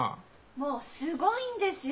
もうすごいんですよ。